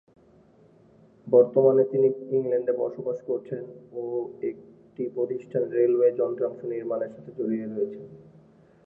বর্তমানে তিনি ইংল্যান্ডে বসবাস করছেন ও একটি প্রতিষ্ঠানে রেলওয়ের যন্ত্রাংশ নির্মাণের সাথে জড়িত রয়েছেন।